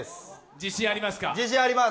自信あります。